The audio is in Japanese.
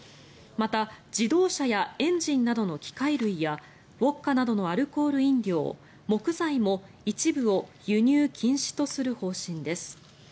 また、自動車やエンジンなどの機械類やウォッカなどのアルコール飲料木材も一部を輸入禁止とする方針です。